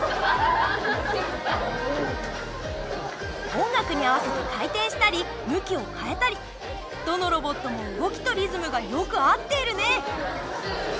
音楽に合わせて回転したり向きを変えたりどのロボットも動きとリズムがよく合っているね。